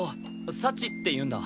幸っていうんだ。